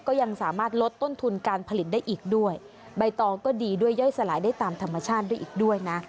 ก็ยังสามารถลดต้นทุนการผลิตได้อีกด้วยใบตองก็ดีด้วยย่อยสลายได้ตามธรรมชาติด้วยอีกด้วยนะ